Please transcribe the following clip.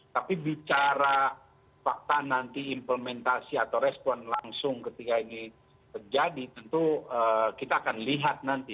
tapi bicara fakta nanti implementasi atau respon langsung ketika ini terjadi tentu kita akan lihat nanti